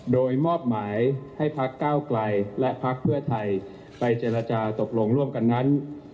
โดยมอบหมายให้พักก้าวไกลและพักเพื่อไทยไปเจรจาตกลงร่วมกันนั้น